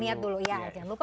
niat dulu ya jangan lupa